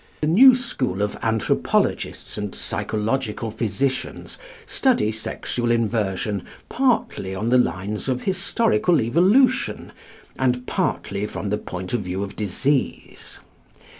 The new school of anthropologists and psychological physicians study sexual inversion partly on the lines of historical evolution, and partly from the point of view of disease.